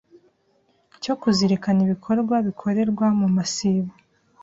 cyo kuzirikana ibikorwa bikorerwa mu masibo.